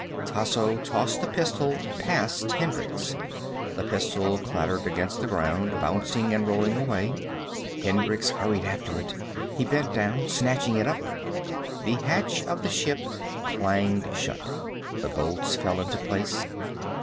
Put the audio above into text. Tasso tossed the pistol past Hendricks. The pistol clattered against the ground, bouncing and rolling away. Hendricks hurried after it. He bent down, snatching it up. The hatch of the ship clanged shut. The bolts fell into place.